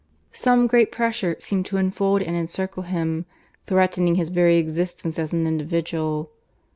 Some great pressure seemed to enfold and encircle him, threatening his very existence as an individual.